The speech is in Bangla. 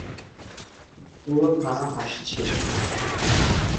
পুরো থানা হাসছিল।